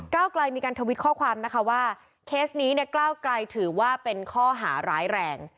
ไกลมีการทวิตข้อความนะคะว่าเคสนี้เนี่ยก้าวไกลถือว่าเป็นข้อหาร้ายแรง